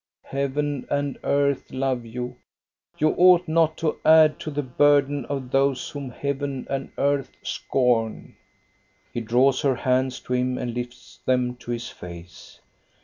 Heaven and earth love you. You ought not to add to the burden of those whom heaven and earth scorn." He draws her hands to him and lifts them to his face.